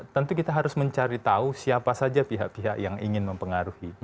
tentu kita harus mencari tahu siapa saja pihak pihak yang ingin mempengaruhi